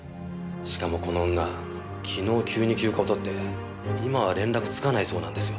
しかもこの女昨日急に休暇を取って今は連絡つかないそうなんですよ。